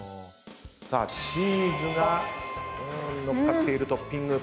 さあチーズが載っかっているトッピング。